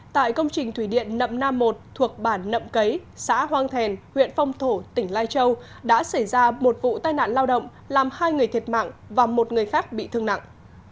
tại công trình thủy điện nậm nam một thuộc bản nậm cấy xã hoàng thèn huyện phong thổ tỉnh lai châu đã xảy ra một vụ tai nạn lao động làm hai người thiệt mạng và một người khác bị thương nặng